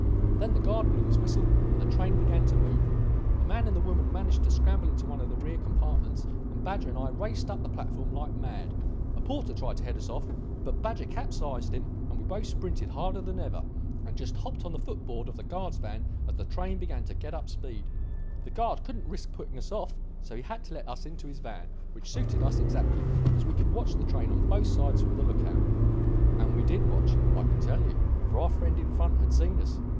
Then the guard blew his whistle and the train began to move. The man and the woman managed to scramble into one of the rear compartments and Badger and I raced up the platform like mad. A porter tried to head us off, but Badger capsized him and we both sprinted harder than ever, and just hopped on the foot board of the guard's van as the train began to get up speed. The guard couldn't risk putting us off, so he had to let us into his van, which suited us exactly, as we could watch the train on both sides from the look out. And we did watch, I can tell you; for our friend in front had seen us.